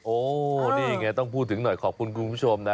โอ้นี่ไงต้องพูดถึงหน่อยขอบคุณคุณผู้ชมนะ